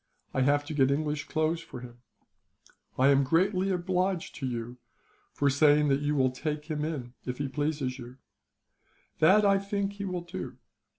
I have to get English clothes for him. "I am greatly obliged to you for saying that you will take him, if he pleases you. That I think he will do.